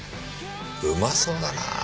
うまそうだなあ。